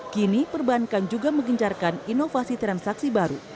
kini perbankan juga menggencarkan inovasi transaksi baru